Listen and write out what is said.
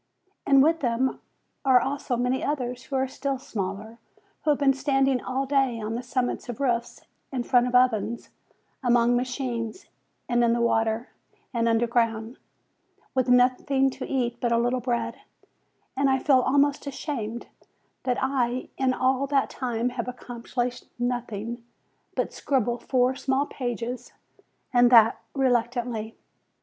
And with them are also many others, who are still smaller, who have been standing all day on the summits of roofs, in front of ovens, among machines, and in the water, and underground, with nothing to eat but a little bread; and I feel almost ashamed, that I in all that time have accomplished nothing but scribble four small pages, and that reluctantly.